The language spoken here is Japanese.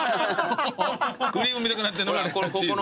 クリームみたくなってるのがチーズ。